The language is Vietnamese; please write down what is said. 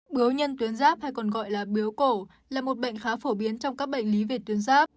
biêu nhân tuyến giáp hay còn gọi là biếu cổ là một bệnh khá phổ biến trong các bệnh lý về tuyến giáp